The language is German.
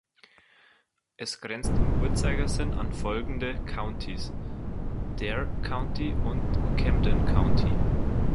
Es grenzt im Uhrzeigersinn an folgende Countys: Dare County und Camden County.